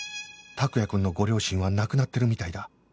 託也くんのご両親は亡くなってるみたいだ